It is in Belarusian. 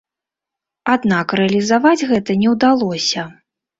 Аднак рэалізаваць гэта не ўдалося.